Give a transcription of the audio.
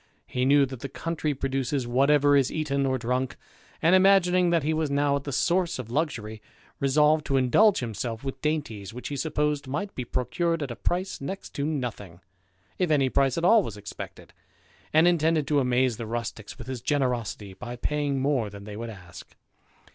He knew that the country produces whatever is eaten or drunk, and, imagining that he was now at the source ol luxury, resolved to indulge himself with dainties which he supposed might be procured at a price next to nothing, if any price at all was expected ; and intended to amaze the rusticks with his generosity, by paying more than they would ask.